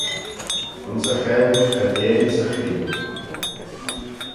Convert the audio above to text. Ayns y cheyll cho lhean's e chree.